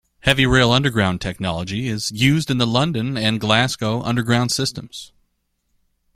Heavy rail underground technology is used in the London and Glasgow Underground systems.